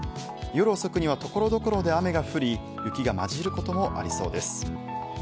夜遅くには、ところどころで雨が降り、雪が交じることもありそうです。